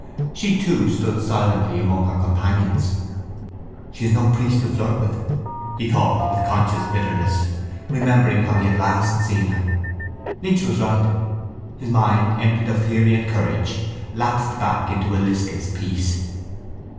She too stood silently among her companions. She has no priest to flirt with, he thought with conscious bitterness, remembering how he had seen her last. Lynch was right. His mind emptied of theory and courage, lapsed back into a listless peace.